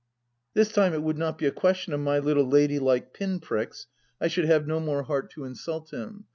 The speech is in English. This time it would not be a ques tion of my little ladylike pin pricks — ^I should have no more heart to insult him.